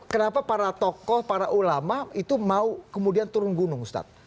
kenapa para tokoh para ulama itu mau kemudian turun gunung ustadz